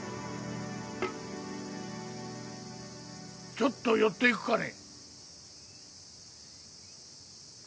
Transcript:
ちょっと寄っていくかね？